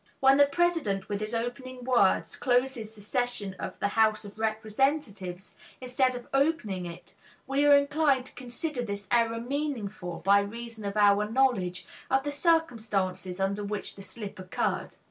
When the president with his opening words closes the session of the House of Representatives, instead of opening it, we are inclined to consider this error meaningful by reason of our knowledge of the circumstances under which the slip occurred.